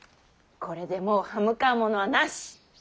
これでもう刃向かう者はなし！